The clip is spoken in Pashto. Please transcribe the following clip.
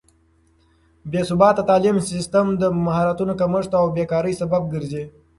بې ثباته تعليم سيستم د مهارتونو کمښت او بې کارۍ سبب ګرځي.